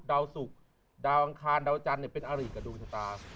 ดาวศุกร์ดาวอังคารดาวจันทร์เป็นอาริกับดวงชะตา